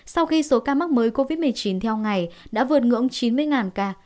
sau khi số ca mắc mới covid một mươi chín theo ngày đã vượt ngưỡng chín mươi ca